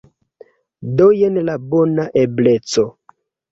Do jen la bona ebleco!